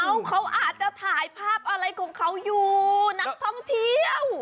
เขาอาจจะถ่ายภาพอะไรของเขาอยู่นักท่องเที่ยว